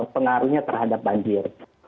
pengaruhnya terhadap banjir